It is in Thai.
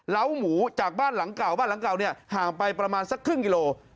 หมูจากบ้านหลังเก่าบ้านหลังเก่าเนี่ยห่างไปประมาณสักครึ่งกิโล